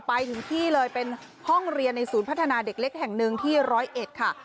ไปถึงที่เลยเป็นห้องเรียนในศูนย์พัฒนาเด็กเล็กแห่งหนึ่งที่ร้อยเอ็ดค่ะ